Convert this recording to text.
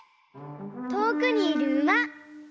とおくにいるうま。